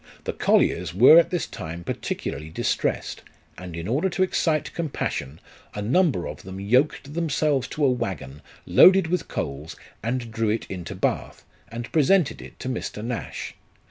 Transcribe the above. The colliers were at this time peculiarly distressed ; and in order to excite compassion, a number of them yoked themselves to a waggon loaded with coals, and drew it into Bath, and presented it to Mr. Nash.